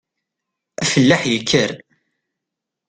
Afellaḥ yekker.